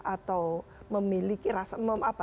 atau memiliki rasa